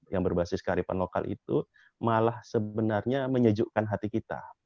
yang berbasis kearifan lokal itu malah sebenarnya menyejukkan hati kita